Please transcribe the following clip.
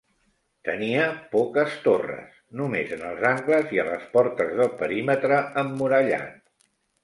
Tenia poques torres, només en els angles i a les portes del perímetre emmurallat.